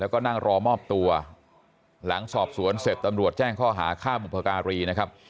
แล้วก็นั่งรอมอบตัวหลังสอบสวนเสร็จตำรวจแจ้งข้อหาฆ่าบุพการีนะครับ